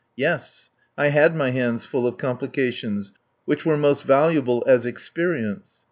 Yes. I had my hands full of complications which were most valuable as "experience."